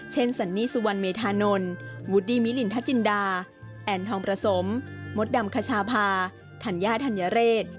สันนี่สุวรรณเมธานนท์วูดดี้มิลินทจินดาแอนทองประสมมดดำคชาพาธัญญาธัญเรศ